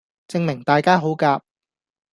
證明大家好夾